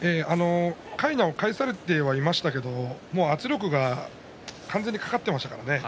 かいなを返されていましたが圧力が完全に掛かってましたからね。